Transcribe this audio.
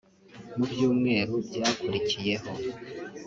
Mu byumweru byakurikiyeho